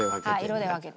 色で分けて。